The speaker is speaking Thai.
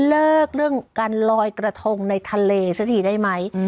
เลิกเรื่องการลอยกระทงในทะเลสักทีได้ไหม